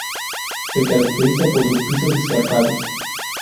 Se caracteriza por sus pisos escarpados.